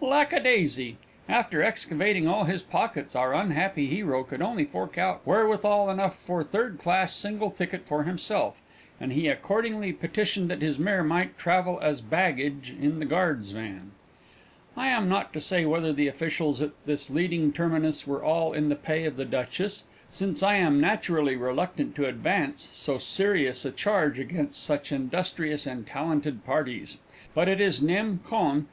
Lackadaisy! after excavating all his pockets, our unhappy hero could only fork out wherewithal enough for third class single ticket for himself, and he accordingly petitioned that his mare might travel as baggage in the guard's van. I am not to say whether the officials at this leading terminus were all in the pay of the Duchess, since I am naturally reluctant to advance so serious a charge against such industrious and talented parties, but it is _nem. con.